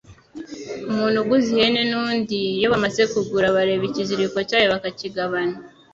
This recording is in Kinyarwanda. Umuntu uguze ihene n’undi, iyo bamaze kugura bareba ikiziriko cyayo bakakigabana